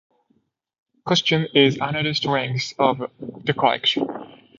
Costume is another strength of the collection.